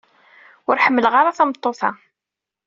Ur ḥemmleɣ ara tameṭṭut-a.